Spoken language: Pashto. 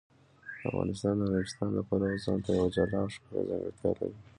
افغانستان د نورستان د پلوه ځانته یوه جلا او ښکلې ځانګړتیا لري.